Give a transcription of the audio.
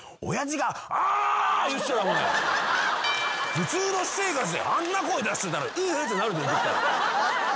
普通の私生活であんな声出してたら「うぅ」ってなるじゃん絶対。